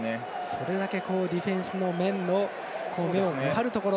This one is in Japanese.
それだけディフェンスの目を見張るところ。